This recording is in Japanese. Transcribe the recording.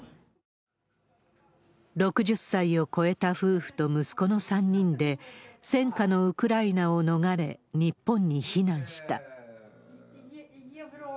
６０歳を超えた夫婦と息子の３人で、戦禍のウクライナを逃れ、日本に避難した。